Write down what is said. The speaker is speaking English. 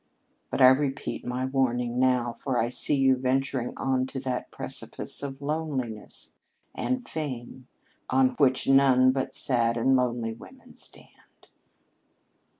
But I repeat my warning now, for I see you venturing on to that precipice of loneliness and fame on which none but sad and lonely women stand."